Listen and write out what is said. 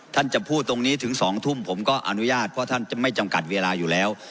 ท่านจะพูดตรงนี้ถึง๒ทุ่มผมก็อนุญาตเพราะท่านจะไม่จำกัดเวลาอยู่แล้ว